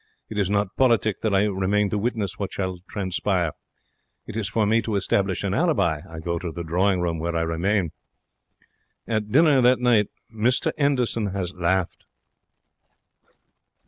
It is not politic that I remain to witness what shall transpire. It is for me to establish an alibi. I go to the drawing room, where I remain. At dinner that night Mr 'Enderson has laughed.